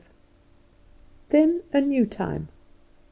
Then a new time.